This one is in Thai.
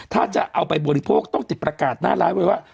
ถ้าจะเอาไปบริโภคต้องติดประกาศหน้าร้านไว้ว่า